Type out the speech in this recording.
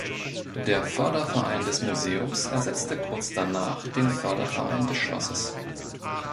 Der "Förderverein des Museums" ersetzte kurz danach den "Förderverein des Schlosses".